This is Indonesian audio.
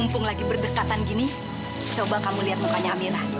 mumpung lagi berdekatan gini coba kamu lihat mukanya amirah